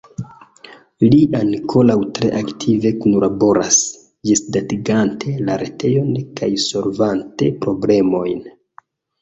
Li ankoraŭ tre aktive kunlaboras, ĝisdatigante la retejon kaj solvante problemojn.